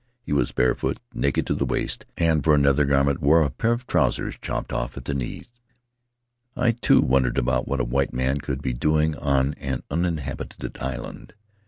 He was barefoot, naked to the waist, and for a nether garment wore a pair of trousers chopped off at the knee. I, too, wondered what a white man could be doing on an uninhabited island.